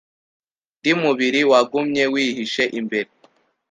Undi mubiri wagumye wihishe imbere